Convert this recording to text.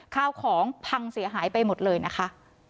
ข้าวของพังเสียหายไปหมดเลยนะคะ